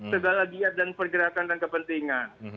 segala giat dan pergerakan dan kepentingan